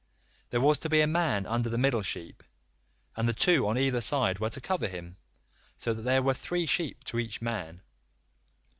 There was to be a man under the middle sheep, and the two on either side were to cover him, so that there were three sheep to each man.